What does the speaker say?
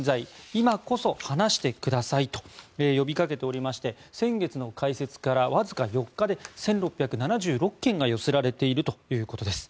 今こそ話してくださいと呼びかけておりまして先月の開設からわずか４日で１６７６件が寄せられているということです。